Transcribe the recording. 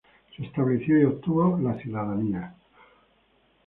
Se estableció y obtuvo la ciudadanía.